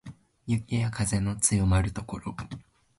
雪や風の強まる所